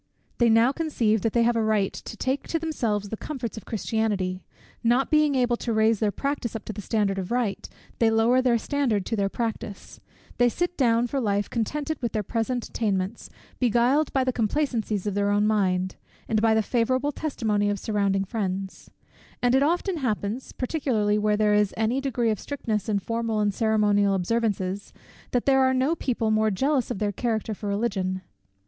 They now conceive that they have a right to take to themselves the comforts of Christianity. Not being able to raise their practice up to their standard of right, they lower their standard to their practice: they sit down for life contented with their present attainments, beguiled by the complacencies of their own minds, and by the favourable testimony of surrounding friends; and it often happens, particularly where there is any degree of strictness in formal and ceremonial observances, that there are no people more jealous of their character for Religion.